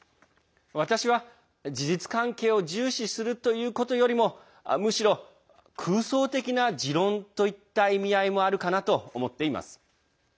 私は、事実関係を重視するということよりもむしろ、空想的な持論といった意味合いもあるかなと思っています。